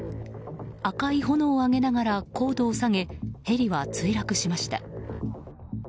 赤い炎を上げながら高度を下げヘリは墜落しました。